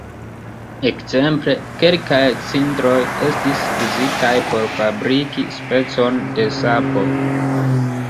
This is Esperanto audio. Ekzemple kelkaj cindroj estis uzitaj por fabriki specon de sapo.